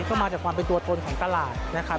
ก็มาจากความเป็นตัวตนของตลาดนะครับ